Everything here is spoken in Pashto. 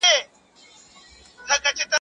خداى دي يو لاس بل ته نه اړ باسي.